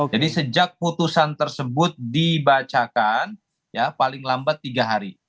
jadi sejak putusan tersebut dibacakan ya paling lambat tiga hari